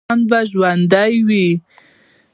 افغانستان به ژوندی وي